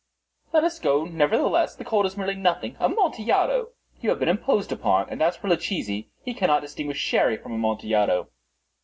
"Let us go, nevertheless. The cold is merely nothing. Amontillado! You have been imposed upon. And as for Luchesi, he cannot distinguish Sherry from Amontillado."